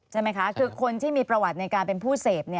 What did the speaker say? ใช่ไหมคะคือคนที่มีประวัติในการเป็นผู้เสพ